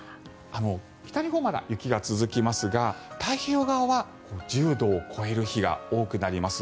北日本、まだ雪が続きますが太平洋側は１０度を超える日が多くなります。